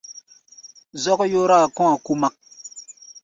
Zɔ́k yóráa kɔ̧́-a̧ kumak.